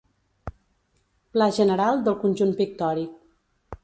Pla general del conjunt pictòric.